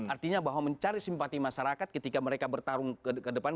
artinya bahwa mencari simpati masyarakat ketika mereka bertarung ke depan